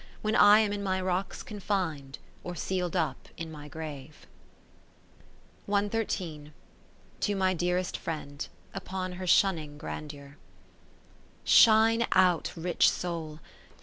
When I am in my rocks confin'd, Or seal'd up in my grave. To my dearest Friend, upon her shunning Grandeur Shine out. Rich Soul